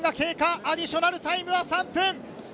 アディショナルタイムは３分。